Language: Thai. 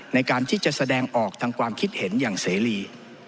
ในการที่จะแสดงออกทางความคิดเห็นอย่างเสรี